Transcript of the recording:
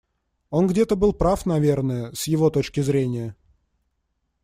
Он где-то был прав, наверное, с его точки зрения.